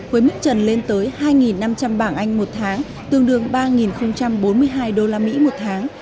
với mức trần lên tới hai năm trăm linh bảng anh một tháng tương đương ba bốn mươi hai usd một tháng